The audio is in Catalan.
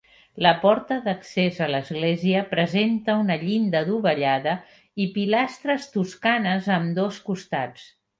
La porta d'accés a l'església presenta una llinda adovellada i pilastres toscanes a ambdós costats.